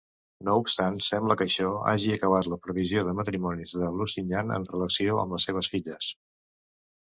No obstant, sembla que això hagi acabat la previsió de matrimonis de Lusignan en relació amb les seves filles.